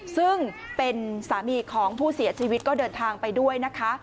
ซึ่งเป็นสามีของผู้เสียชีวิตก็เดินทางไปด้วยนะคะ